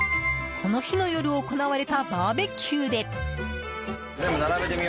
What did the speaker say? この日の夜行われたバーベキューで。